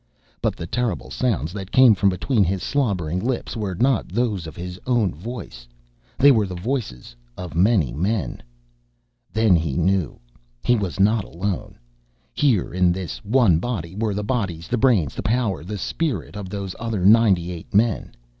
But the terrible sounds that came from between his slobbering lips were not those of his own voice, they were the voices of many men. Then he knew. He was not alone. Here, in this one body were the bodies, the brains, the power, the spirit, of those other ninety eight men.